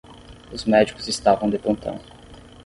Os médicos estavam de plantão.